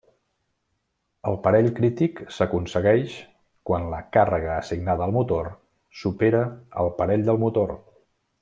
El parell crític s'aconsegueix quan la càrrega assignada al motor supera el parell del motor.